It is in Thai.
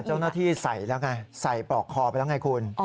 เจ้าหน้าที่ใส่แล้วไงใส่ปลอกคอไปแล้วไงคุณ